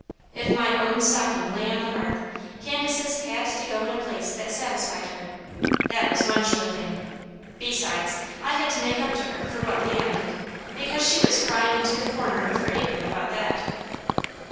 If my own stocking lay on the hearth, Candace's had to go in a place that satisfied her that was one sure thing. Besides, I had to make up to her for what Leon did, because she was crying into the corner of her apron about that.